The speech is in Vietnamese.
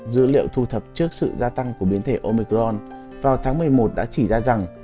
dữ liệu thu thập trước sự gia tăng của biến thể omicron vào tháng một mươi một đã chỉ ra rằng